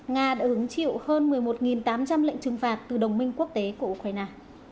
nga đã hứng chịu hơn một mươi một tám trăm linh lệnh trừng phạt từ đồng minh quốc tế của ukraine